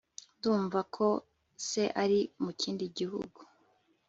ndumva ko se ari mu kindi gihugu